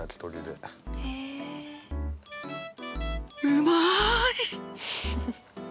うまい！